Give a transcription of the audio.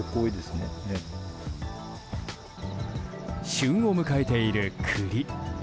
旬を迎えている栗。